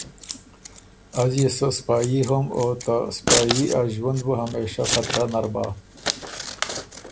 از يې سۀ سپايي هوم او ته سپايي ا ݫوُند بُو همېشۀ خطرۀ نر بَۀ۔